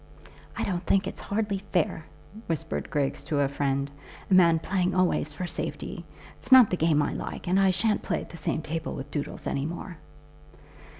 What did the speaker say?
"I don't think it's hardly fair," whispered Griggs to a friend, "a man playing always for safety. It's not the game I like, and I shan't play at the same table with Doodles any more."